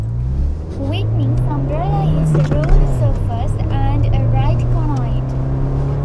Whitney's umbrella is a ruled surface and a right conoid.